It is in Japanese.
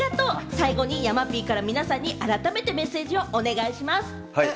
最後に山Ｐから皆さんに改めてメッセージをお願いします。